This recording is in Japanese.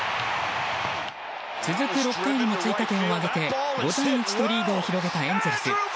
続く６回にも追加点を挙げて５対１とリードを広げたエンゼルス。